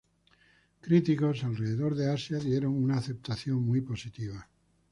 Críticos alrededor de Asia dieron una aceptación muy positiva.